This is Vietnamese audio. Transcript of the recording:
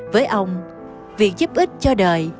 với ông việc giúp ích cho đời